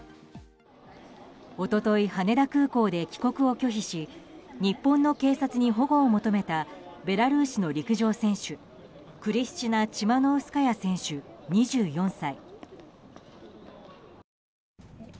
一昨日羽田空港で帰国を拒否し日本の警察に保護を求めたベラルーシの陸上選手クリスチナ・チマノウスカヤ選手２４歳。